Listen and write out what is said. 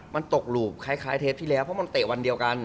มันตกหลูบคล้ายเทปที่แล้วเพราะมันเตะวันเดียวกัน